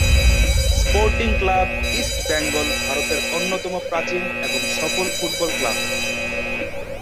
Sporting club East Bengal ভারতের অন্যতম প্রাচীন এবং সফল ফুটবল ক্লাব।